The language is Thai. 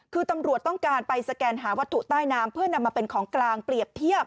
คือตำรวจต้องการไปสแกนหาวัตถุใต้น้ำเพื่อนำมาเป็นของกลางเปรียบเทียบ